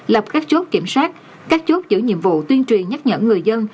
lập các chốt kiểm soát các chốt giữ nhiệm vụ tuyên truyền nhắc nhở người dân